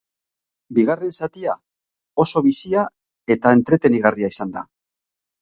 Bigarren zatia oso bizia eta entretenigarria izan da.